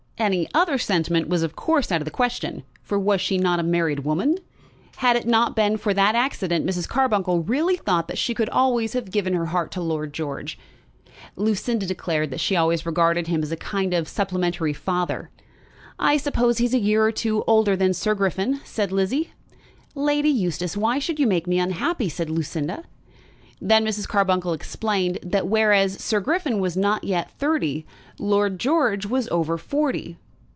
Any other sentiment was of course out of the question, for was she not a married woman? Had it not been for that accident, Mrs. Carbuncle really thought that she could have given her heart to Lord George. Lucinda declared that she always regarded him as a kind of supplementary father. "I suppose he is a year or two older than Sir Griffin," said Lizzie. "Lady Eustace, why should you make me unhappy?" said Lucinda. Then Mrs. Carbuncle explained, that whereas Sir Griffin was not yet thirty, Lord George was over forty.